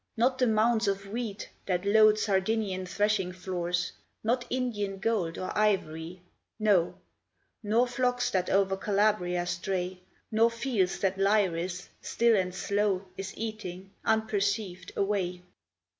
Not the mounds of wheat That load Sardinian threshing floors; Not Indian gold or ivory no, Nor flocks that o'er Calabria stray, Nor fields that Liris, still and slow, Is eating, unperceived, away.